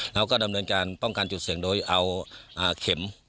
แล้วก็ดำเนินการป้องกันจุดเสี่ยงโดยเอาเข็ม